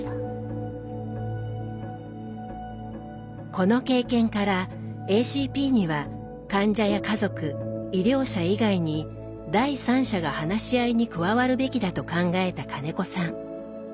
この経験からＡＣＰには患者や家族医療者以外に第三者が話し合いに加わるべきだと考えた金子さん。